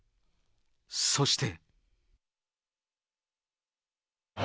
そして。